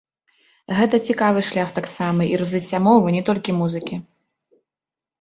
Гэта цікавы шлях таксама і развіцця мовы, не толькі музыкі.